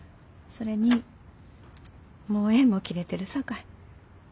それにもう縁も切れてるさかい。